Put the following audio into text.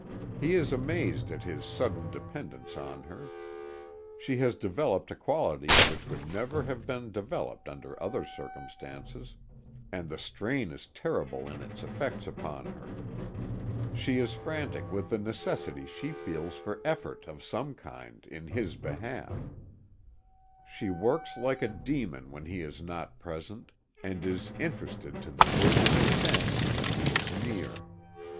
He is amazed at his sudden dependence on her. She has developed a quality which would never have been developed under other circumstances, and the strain is terrible in its effects upon her. She is frantic with the necessity she feels for effort of some kind in his behalf. She works like a demon when he is not present, and is "interested" to the verge of insanity when he is near.